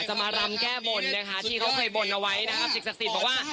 มารำแก้บนนะคะที่เขาเคยบนเอาไว้นะครับสิ่งศักดิ์สิทธิ์บอกว่า